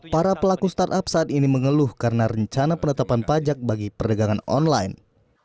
para pelaku startup saat ini mengeluh karena rencana penetapan pajak bagi perdagangan online